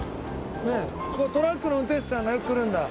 トラックの運転手さんがよく来るんだ？